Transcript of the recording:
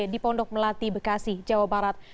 di pondok melati bekasi jawa barat